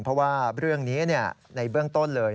เพราะว่าเรื่องนี้ในเบื้องต้นเลย